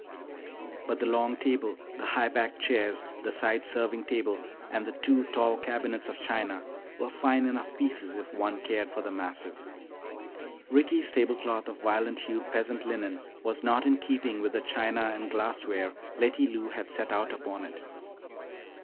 But the long table, the high backed chairs, the side serving table, and the two tall cabinets of china were fine enough pieces if one cared for the massive. Ricky's table cloth of violent hued peasant linen was not in keeping with the china and glassware Letty Lou had set out upon it.